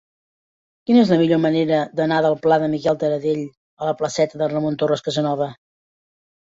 Quina és la millor manera d'anar del pla de Miquel Tarradell a la placeta de Ramon Torres Casanova?